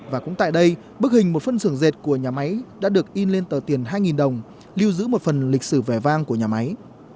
và cũng tại đây bức hình một phân xưởng dệt của nhà máy đã được in lên tờ tiền hai đồng lưu giữ một phần lịch sử vẻ vang của nhà máy